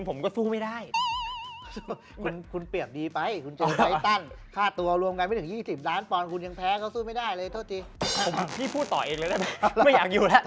ผมพี่พูดต่อเองเลยนะไม่อยากอยู่แล้ว